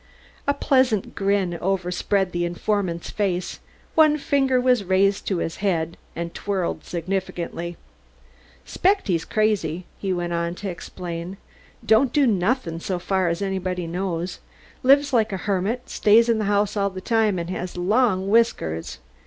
A pleasant grin overspread his informant's face; one finger was raised to his head and twirled significantly. "'Spect he's crazy," he went on to explain. "Don't do nothing, so far as nobody knows lives like a hermit, stays in the house all the time, and has long whiskers.